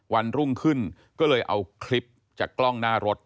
วันรุ่งขึ้นก็เลยเอาคลิปจากกล้องหน้ารถ